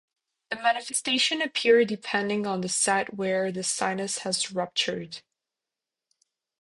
The manifestations appear depending on the site where the sinus has ruptured.